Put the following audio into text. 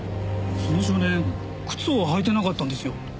その少年靴を履いてなかったんですよ。